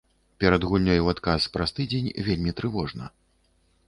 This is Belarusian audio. Перад гульнёй у адказ праз тыдзень вельмі трывожна.